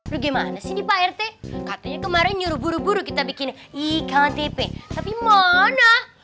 lu gimana sih pak rt katanya kemarin nyuruh buru buru kita bikin iktp tapi mana